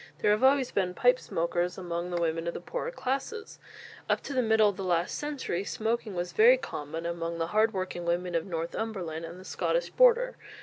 There have always been pipe smokers among the women of the poorer classes. Up to the middle of the last century smoking was very common among the hard working women of Northumberland and the Scottish border.